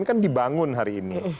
ini kan dibangun hari ini